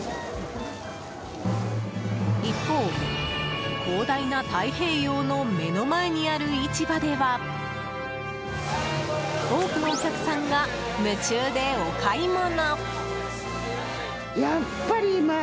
一方、広大な太平洋の目の前にある市場では多くのお客さんが夢中でお買い物。